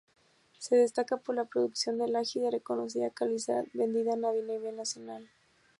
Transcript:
Se destaca por la producción del ají de reconocida calidad vendida a nivel nacional.